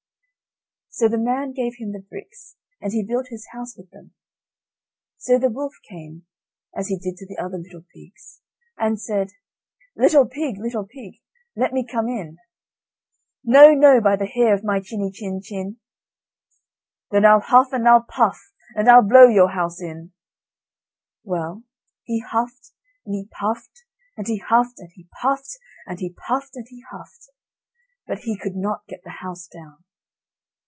So the man gave him the bricks, and he built his house with them. So the wolf came, as he did to the other little pigs, and said: "Little pig, little pig, let me come in." "No, no, by the hair of my chiny chin chin." "Then I'll huff, and I'll puff, and I'll blow your house in." Well, he huffed, and he puffed, and he huffed and he puffed, and he puffed and huffed; but he could not get the house down.